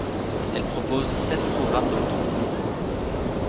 Elle propose sept programmes doctoraux.